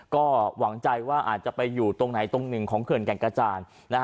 ก็หวังใจว่าอาจจะไปอยู่ตรงไหนตรงหนึ่งของเขื่อนแก่งกระจาน